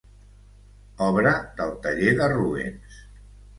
Obra del taller de Rubens.